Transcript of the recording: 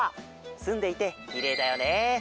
すんでいてきれいだよね。